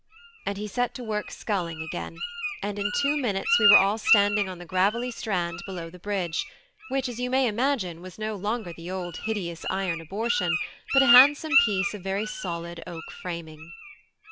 And he set to work sculling again, and in two minutes we were all standing on the gravelly strand below the bridge, which, as you may imagine, was no longer the old hideous iron abortion, but a handsome piece of very solid oak framing.